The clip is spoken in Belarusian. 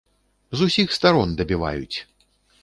З усіх старон дабіваюць!